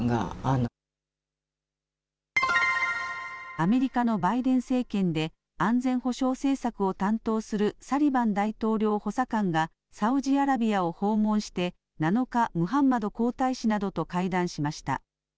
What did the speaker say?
アメリカのバイデン政権で安全保障政策を担当するサリバン大統領補佐官がサウジアラビアを訪問して７日、ムハンマド皇太子などと会談しました。